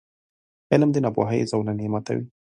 • علم، د ناپوهۍ زولنې ماتوي.